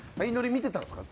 見てたんですか？